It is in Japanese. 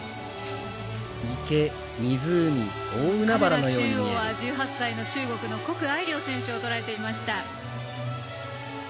カメラ中央は１８歳の中国の谷愛凌選手をとらえていました。